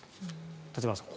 立花さん